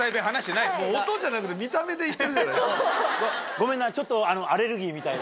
ごめんなちょっと。